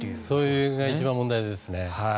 それが一番問題ですね。